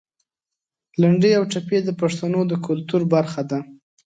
لنډۍ او ټپې د پښتنو د کلتور برخه ده.